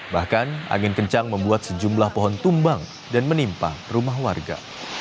bahkan angin kencang membuat sejumlah pohon tumbang dan menimpa rumah warga